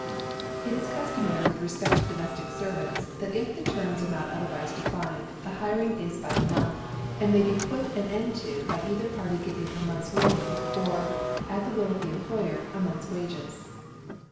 It is customary with respect to domestic servants, that if the terms are not otherwise defined, the hiring is by the month, and may be put an end to by either party giving a month's warning; or, at the will of the employer, a month's wages.